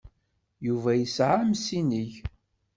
Yuba yesɛa amsineg.